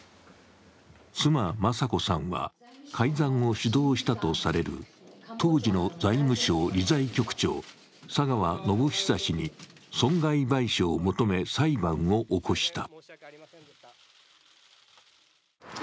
妻・雅子さんは改ざんを主導したとされる当時の財務省理財局長・佐川宣寿氏に損害賠償を求め裁判を起こした。